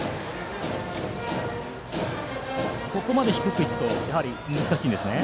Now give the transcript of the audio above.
ここまで低く行くとやはり難しいんですね。